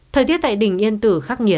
thời tiết tại đỉnh yên tử khắc nhiệt